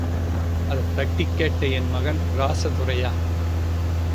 அத தட்டிக்கேட்ட என் மகன் ராசதுரைய.